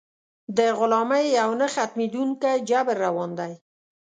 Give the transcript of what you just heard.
د غلامۍ یو نه ختمېدونکی جبر روان دی.